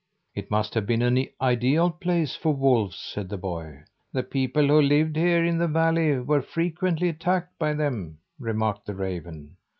"It must have been an ideal place for wolves," said the boy. "The people who lived here in the valley were frequently attacked by them," remarked the raven.